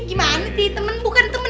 gimana sih temen bukan temen